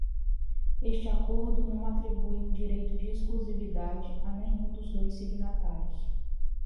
Este acordo não atribui um direito de exclusividade a nenhum dos dois signatários.